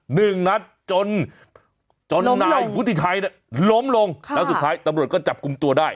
หนึ่งนัดจนจนนายวุฒิชัยเนี่ยล้มลงแล้วสุดท้ายตำรวจก็จับกลุ่มตัวได้